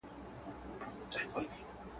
ستا نصیب ته هغه سور دوږخ په کار دئ.